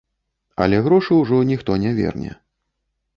Але грошы ўжо ніхто не верне.